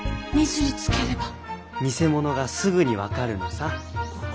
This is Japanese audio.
偽物がすぐに分かるのさ。